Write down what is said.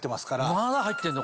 まだ入ってんの？